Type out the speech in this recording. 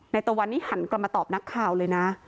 ตะวันนี้หันกลับมาตอบนักข่าวเลยนะ